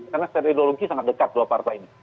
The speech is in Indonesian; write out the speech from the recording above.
karena seri ideologi sangat dekat dua partai ini